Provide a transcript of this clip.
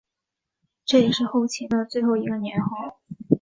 这也是后秦的最后一个年号。